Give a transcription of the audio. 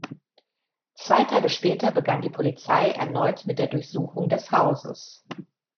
Zwei Tage später begann die Polizei erneut mit der Durchsuchung des Hauses.